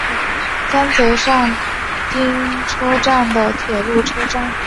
三泽上町车站的铁路车站。